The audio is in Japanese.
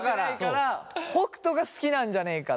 北斗が好きなんじゃねえかと。